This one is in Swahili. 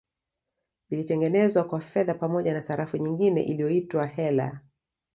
Ilitengenezwa kwa fedha pamoja na sarafu nyingine iliyoitwa Heller